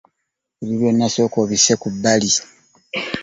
Ebyo byonna sooka obisse ku bbali.